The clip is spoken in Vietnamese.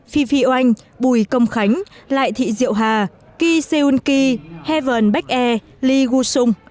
phi phi oanh bùi công khánh lại thị diệu hà ki seun ki heaven baek e lee woo sung